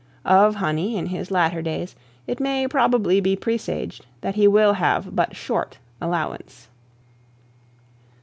Of honey, in his latter days, it may probably be presaged, that he will have but short allowance.